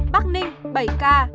bắc ninh bảy ca